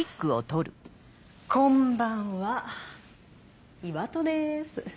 こんばんは岩戸です。